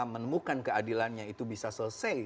menemukan keadilannya itu bisa selesai